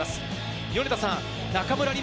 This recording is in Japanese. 米田さん、中村輪